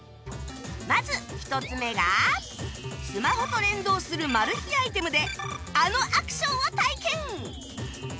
まず１つ目がスマホと連動するマル秘アイテムであのアクションを体験！